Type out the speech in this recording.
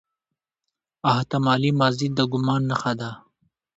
احتمالي ماضي د ګومان نخښه ده.